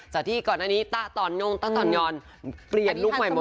จากที่ก่อนอันนี้ต้าต่อนงงต้าต่อนยนต์เปลี่ยนลูกใหม่หมดเลย